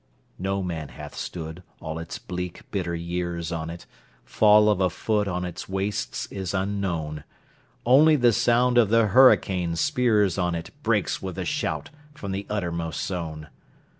No man hath stood, all its bleak, bitter years on it—Fall of a foot on its wastes is unknown:Only the sound of the hurricane's spears on itBreaks with the shout from the uttermost zone.